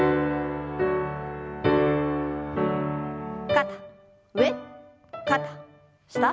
肩上肩下。